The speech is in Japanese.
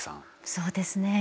そうですね